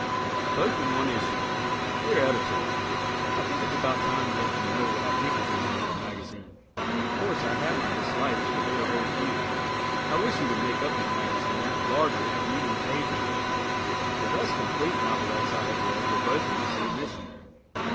Both in One Issue Dear Editor: I think it's about time to let you know what I think of your wonderful magazine. Of course, I have my dislikes but they are very few. I wish you would make up your magazine larger and even the pages up. The best complete novelettes I have read were both in the same issue.